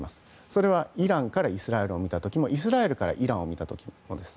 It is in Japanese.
それはイランからイスラエルを見た時もイスラエルからイランを見た時もそうです。